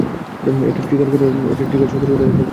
এই ট্রিগার সতর্কতার সাথে সামলাবে।